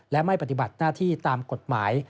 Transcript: และไม่ผันติบัตรหน้าที่ตามทรงกลุ่มกฎหมาย